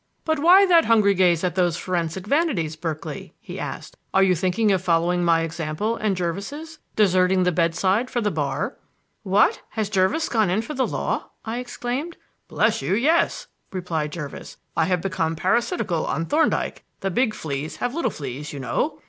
"But why that hungry gaze at those forensic vanities, Berkeley?" he asked. "Are you thinking of following my example and Jervis's deserting the bedside for the Bar?" "What! Has Jervis gone in for the law?" I exclaimed. "Bless you, yes!" replied Jervis. "I have become parasitical on Thorndyke! 'The big fleas have little fleas,' you know.